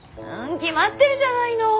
決まってるじゃないの。